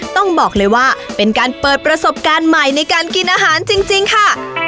ต้องบอกเลยว่าเป็นการเปิดประสบการณ์ใหม่ในการกินอาหารจริงค่ะ